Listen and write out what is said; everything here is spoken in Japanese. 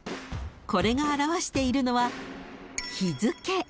これが表しているのは］